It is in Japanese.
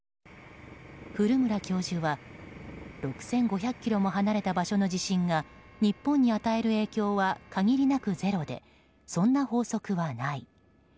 古村教授は６５００ｋｍも離れた場所の地震が日本に与える影響は限りなくゼロでそんな法則はない。